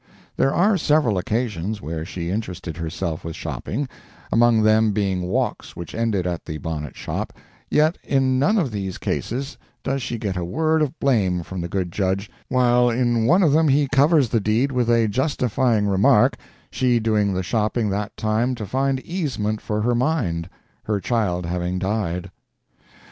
There are several occasions where she interested herself with shopping among them being walks which ended at the bonnet shop yet in none of these cases does she get a word of blame from the good judge, while in one of them he covers the deed with a justifying remark, she doing the shopping that time to find easement for her mind, her child having died.